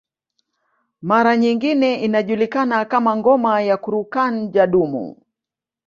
Mara nyingine inajulikana kama ngoma ya kurukan Jadumu